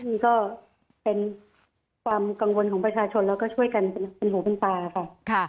นี่ก็เป็นความกังวลของประชาชนแล้วก็ช่วยกันเป็นหูเป็นตาค่ะ